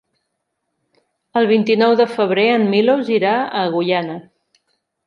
El vint-i-nou de febrer en Milos irà a Agullana.